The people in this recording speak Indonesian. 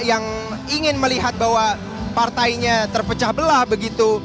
yang ingin melihat bahwa partainya terpecah belah begitu